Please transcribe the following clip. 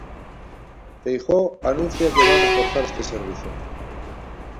Feijóo anuncia que van reforzar este servizo.